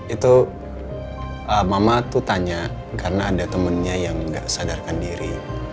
itu mama tuh tanya karena ada temannya yang nggak sadarkan diri